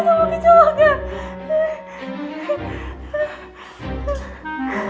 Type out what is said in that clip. aku takut sama kecoh nga